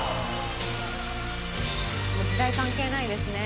もう時代関係ないですね。